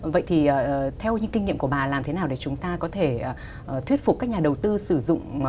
vậy thì theo những kinh nghiệm của bà làm thế nào để chúng ta có thể thuyết phục các nhà đầu tư sử dụng